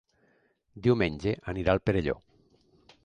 Diumenge anirà al Perelló.